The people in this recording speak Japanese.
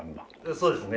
そうですね。